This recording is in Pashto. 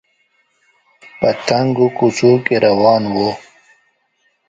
په تنګو کوڅو کې روان و